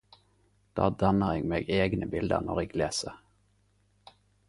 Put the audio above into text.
Da danner eg meg egne bilder når eg leser.